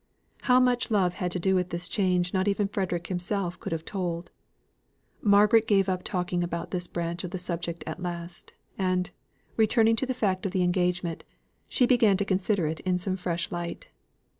How much love had to do with this change not even Frederick himself could have told. Margaret gave up talking about this branch of the subject at last; and, returning to the fact of the engagement, she began to consider it in some fresh light.